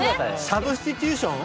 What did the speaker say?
サブスティテューション？